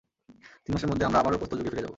তিন মাসের মধ্যে আমরা আবারও প্রস্তর যুগে ফিরে যাব।